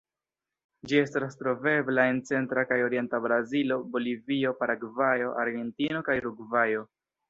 Ĝi estas trovebla en centra kaj orienta Brazilo, Bolivio, Paragvajo, Argentino kaj Urugvajo.